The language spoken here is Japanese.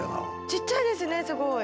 ちっちゃいですねすごい。